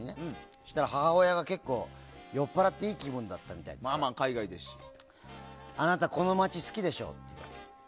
そうしたら母親が結構酔っぱらっていい気分になったみたいであなた、この街好きでしょ。